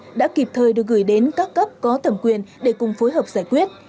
đồng thuận của người dân đã kịp thời được gửi đến các cấp có thẩm quyền để cùng phối hợp giải quyết